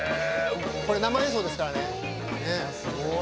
これ生演奏ですからね。